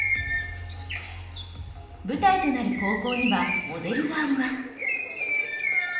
舞台となる高校にはモデルがあります。